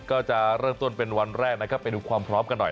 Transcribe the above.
ก็จะเริ่มต้นเป็นวันแรกนะครับไปดูความพร้อมกันหน่อย